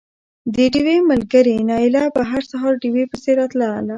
د ډېوې ملګرې نايله به هر سهار ډېوې پسې راتله